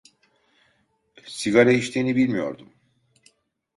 Sigara içtiğini bilmiyordum.